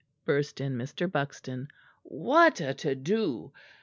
burst in Mr. Buxton, "what a to do!